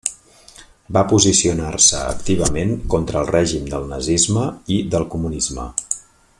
Va posicionar-se activament contra el règim del nazisme i del comunisme.